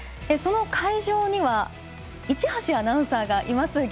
その会場には一橋アナウンサーがいます。